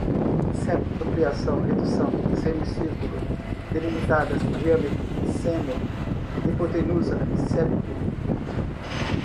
septo, ampliação, redução, semicírculo, delimitadas, diâmetro, seno, hipotenusa, septulo